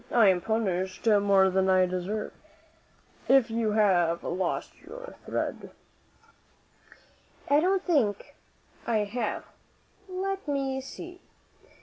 I am punished more than I deserve, if you have lost your thread." "I don't think I have. Let me see.